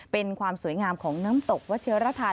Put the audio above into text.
เป็นความสวยงามของน้ำตกวัชิรธาน